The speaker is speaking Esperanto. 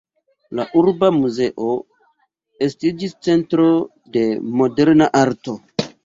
La Urba muzeo estiĝis centro de moderna arto.